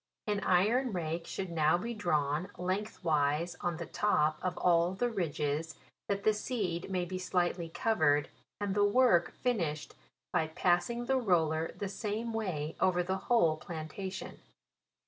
An iron rake should now be drawn lengthwise on the top of all the ridges, that the seed may be slightly covered, and the work finish ed by passing the roller the same way over the whole plantation.